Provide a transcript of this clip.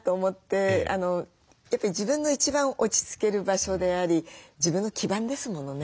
自分の一番落ち着ける場所であり自分の基盤ですものね。